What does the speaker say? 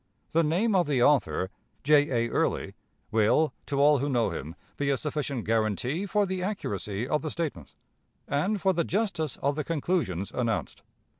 The name of the author, J. A. Early, will, to all who know him, be a sufficient guarantee for the accuracy of the statements, and for the justice of the conclusions announced.